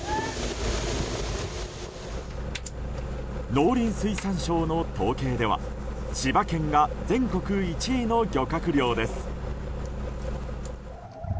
農林水産省の統計では、千葉県が全国１位の漁獲量です。